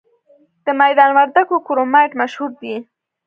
د میدان وردګو کرومایټ مشهور دی؟